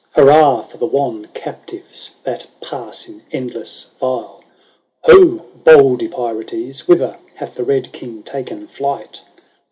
Hurrah ! for the wan captives That pass in endless file. Ho ! bold Epirotes, whither Hath the Eed King ta'en flight